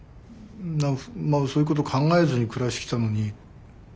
そういうこと考えずに暮らしてきたのに。